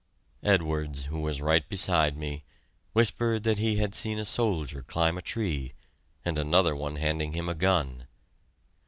Edwards, who was right beside me, whispered that he had just seen a soldier climb a tree and another one handing him a gun.